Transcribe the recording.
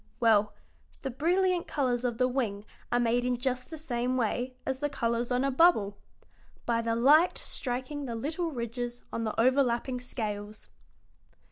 Well, the brilliant colors of the wing are made in just the same way as the colors on a bubble: by the light striking the little ridges on the overlapping scales."